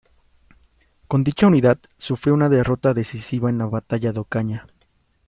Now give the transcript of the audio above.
Con dicha unidad sufrió una derrota decisiva en la batalla de Ocaña.